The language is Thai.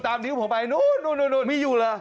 ตามนิ้วผมไปนู้นนู้นนู้น